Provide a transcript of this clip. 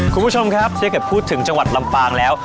คุณผู้ชมครับถ้าเกิดพูดถึงจังหวัดลำปางแล้ว